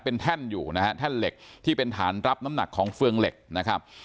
เป็นแท่นอยู่นะฮะแท่นเหล็กที่เป็นฐานรับน้ำหนักของเฟืองเหล็กนะครับ